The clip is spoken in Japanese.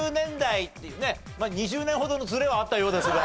２０年ほどのズレはあったようですが。